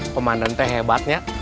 komandan teh hebatnya